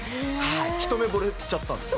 一目惚れしちゃったんですか？